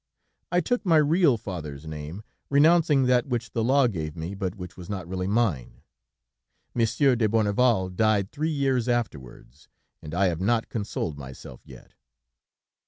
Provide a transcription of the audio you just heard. I took my real father's name, renouncing that which the law gave me, but which was not really mine. Monsieur de Bourneval died three years afterwards, and I have not consoled myself yet."